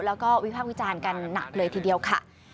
แล้วก็วิพากษ์วิจารณ์กันหนักเลยทีเดียวค่ะ